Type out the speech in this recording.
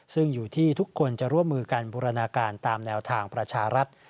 ซึ่งอยู่ที่ทุกคนจะร่วมมือการบูรณาการตามแนวทางประชารัฐ